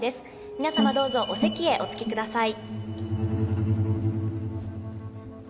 皆さまどうぞお席へお着きください。